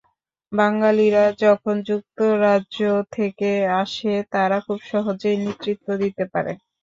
বাঙালিরা যখন যুক্তরাজ্য থেকে আসে, তারা খুব সহজেই নেতৃত্ব দিতে পারে।